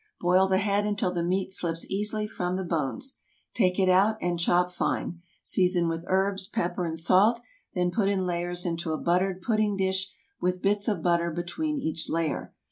Boil the head until the meat slips easily from the bones. Take it out and chop fine, season with herbs, pepper, and salt; then put in layers into a buttered pudding dish with bits of butter between each layer.